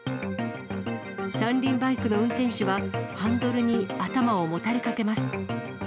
三輪バイクの運転手はハンドルに頭をもたれかけます。